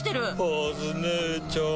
カズ姉ちゃん。